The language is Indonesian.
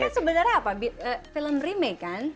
ini kan sebenarnya apa film remake kan